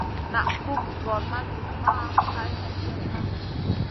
Naʼ pug gor ma jufma hay hendjena.